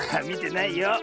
みてないよ。